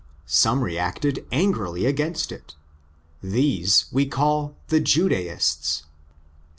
Some reacted angrily against it. These we call the '' Judaists.""